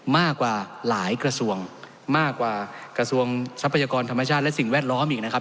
มากกว่าหลายกระทรวงมากกว่ากระทรวงทรัพยากรธรรมชาติและสิ่งแวดล้อมอีกนะครับ